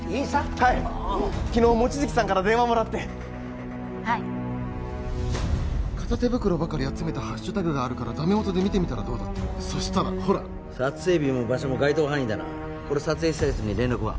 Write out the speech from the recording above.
はい昨日望月さんから電話もらってはい片手袋ばかり集めたハッシュタグがあるからダメ元で見てみたらどうだってそしたらほら撮影日も場所も該当範囲だなこれ撮影したやつに連絡は？